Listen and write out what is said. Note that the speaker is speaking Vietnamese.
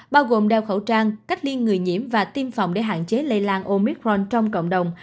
bao gồm đeo khẩu trang cách ly người nhiễm và tiêm phòng để hạn chế lây lan omitron trong cộng đồng